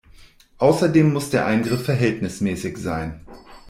Außerdem muss der Eingriff verhältnismäßig sein.